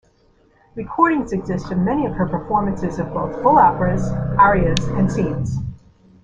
Recordings exist of many of her performances of both full operas, arias and scenes.